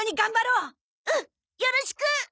うんよろしく！